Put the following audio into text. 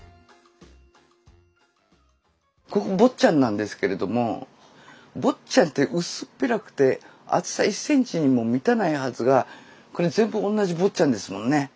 ここ「坊っちゃん」なんですけれども「坊っちゃん」って薄っぺらくて厚さ１センチにも満たないはずがこれ全部同じ「坊っちゃん」ですもんね。